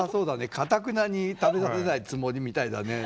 かたくなに食べさせないつもりみたいだね。